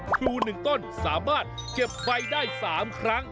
ครู๑ต้นสามารถเก็บใบได้๓ครั้ง